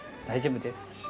大丈夫です。